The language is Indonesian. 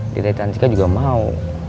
dede cantika juga mau